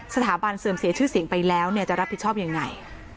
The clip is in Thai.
สถาบันเสื่อมเสียชื่อเสียงไปแล้วจะรับผิดชอบยังไง